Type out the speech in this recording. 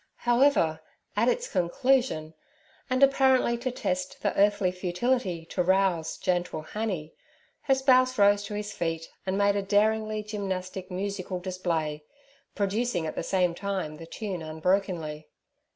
However, at its conclusion, and apparently to test the earthly futility to rouse 'gentil Hannie' her spouse rose to his feet and made a daringly gymnastic musical display, producing at the same time the tune unbrokenly.